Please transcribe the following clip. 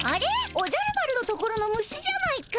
おじゃる丸のところの虫じゃないか。